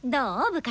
部活。